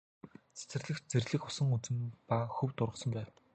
Цэцэрлэгт зэрлэг усан үзэм ба хөвд ургасан байв.